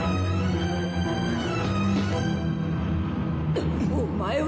うっお前は！？